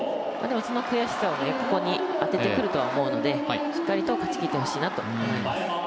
その悔しさをここに当ててくるとは思うのでしっかりと勝ちきってほしいなと思います。